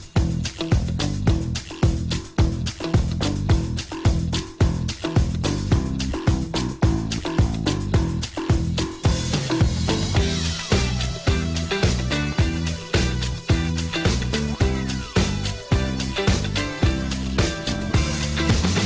แล้วดูกันเถอะ